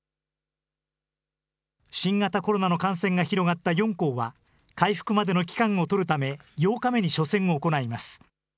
新型コロナの感染が広がった４校は回復までの期間を取るため８日目に初戦を行います。